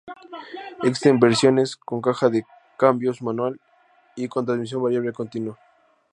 Existen versiones con caja de cambios manual y con transmisión variable continua.